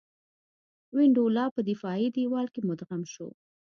وینډولا په دفاعي دېوال کې مدغم شو.